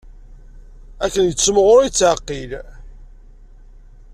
Akken yettimɣur i yetɛeqqil.